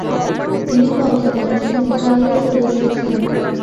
তিনি কলকাতা বিশ্ববিদ্যালয়ের সদস্য ছিলেন।